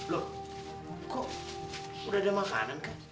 loh kok udah ada makanan kah